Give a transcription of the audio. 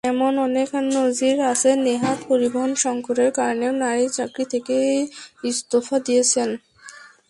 এমন অনেক নজির আছে, নেহাত পরিবহন–সংকটের কারণেও নারী চাকরি থেকে ইস্তফা দিয়েছেন।